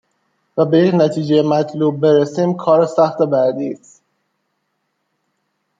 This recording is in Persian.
و به یک نتیجه مطلوب برسیم کار سخت بعدی است.